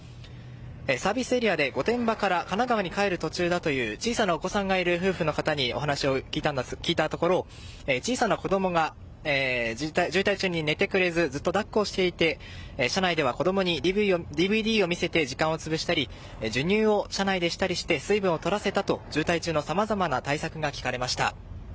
サービスエリアで御殿場から神奈川に帰る途中だという小さなお子さんがいる夫婦の方にお話を聞いたところ小さな子供が渋滞中に寝てくれずずっと抱っこをしていて車内では子供にＤＶＤを見せて時間をつぶしたり授乳を車内でしたりして水分を取らせたと渋滞中のさまざまな対策が聞かれました。